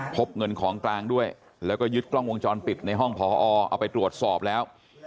พบเงินของกลางด้วยแล้วก็ยึดกล้องวงจรปิดในห้องพอเอาไปตรวจสอบแล้ว